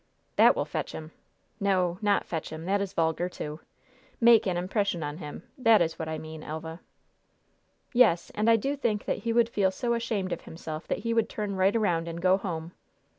"That will fetch him! No, not 'fetch him' that is vulgar, too. Make an impression on him that is what I mean, Elva." "Yes; and I do just think that he would feel so ashamed of himself that he would turn right around and go home!"